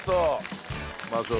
うまそう！